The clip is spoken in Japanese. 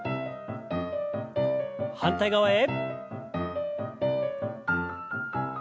反対側へ。